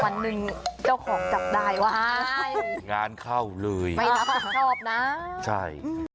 วันหนึ่งเจ้าของจับได้ว่าอ้าวงานเข้าเลยไม่รับผิดชอบนะใช่